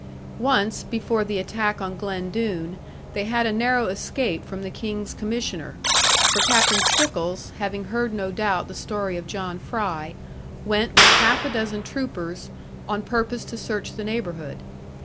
Once, before the attack on Glen Doone, they had a narrow escape from the King's Commissioner; for Captain Stickles having heard no doubt the story of John Fry, went with half a dozen troopers, on purpose to search the neighbourhood.